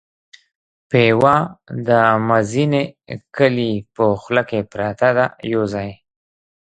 پېوه د مزینې کلي په خوله کې پرته ده یو ځای.